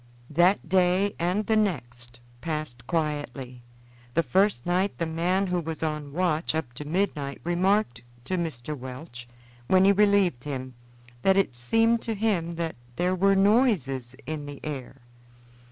That day and the next passed quietly. The first night the man who was on watch up to midnight remarked to Mr. Welch, when he relieved him, that it seemed to him that there were noises in the air.